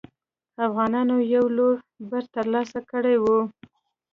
افغانانو یو لوی بری ترلاسه کړی وو.